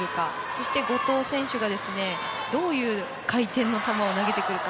そして後藤選手がどういう回転の球を投げてくるか。